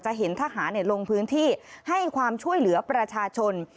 เห็นทหารลงพื้นที่ให้ความช่วยเหลือประชาชน